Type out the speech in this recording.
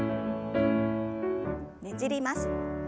ねじります。